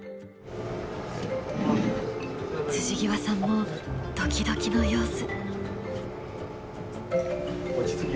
極さんもドキドキの様子。